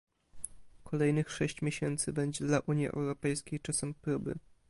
Kolejnych sześć miesięcy będzie dla Unii Europejskiej czasem próby